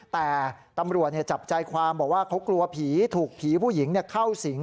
แต่ตำรวจจับใจความบอกว่าเขากลัวผีถูกผีผู้หญิงเข้าสิง